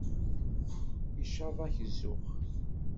Icaḍ-ak zzux.